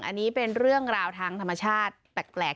อันนี้เป็นเรื่องราวทางธรรมชาติแปลก